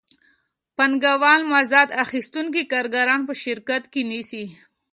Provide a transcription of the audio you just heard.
پانګوال مزد اخیستونکي کارګران په شرکت کې نیسي